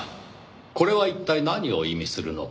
これは一体何を意味するのか。